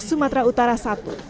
sumatera utara i